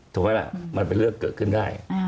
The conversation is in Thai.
ถูกไหมล่ะมันเป็นเรื่องเกิดขึ้นได้